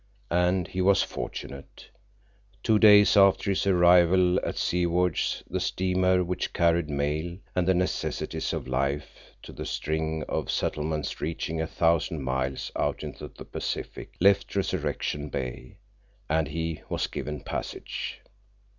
And he was fortunate. Two days after his arrival at Seward the steamer which carried mail and the necessities of life to the string of settlements reaching a thousand miles out into the Pacific left Resurrection Bay, and he was given passage.